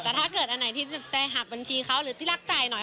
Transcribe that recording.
แต่ถ้าเกิดอันไหนที่จะหักบัญชีเขาหรือที่รักจ่ายหน่อย